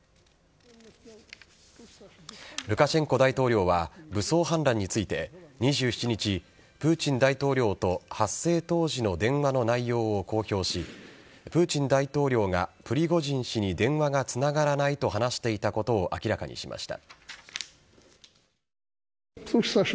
ルカシェンコ大統領は武装反乱について２７日、プーチン大統領と発生当時の電話の内容を公表しプーチン大統領がプリゴジン氏に電話がつながらないと話していたことを明らかにしました。